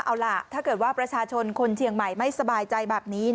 เอาล่ะถ้าเกิดว่าประชาชนคนเชียงใหม่ไม่สบายใจแบบนี้